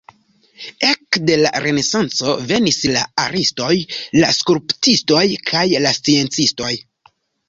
Ekde la renesanco venis la artistoj, la skulptistoj kaj la sciencistoj.